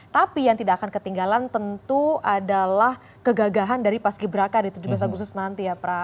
tapi yang tidak akan ketinggalan tentu adalah kegagahan dari paski braka di tujuh belas agustus nanti ya pra